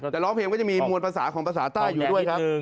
แต่ร้องเพลงก็จะมีมวลภาษาของภาษาใต้อยู่ด้วยครับ